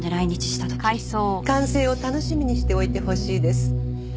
完成を楽しみにしておいてほしいです。